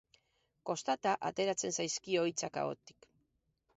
Kostata ateratzen zaizkio hitzak ahotik.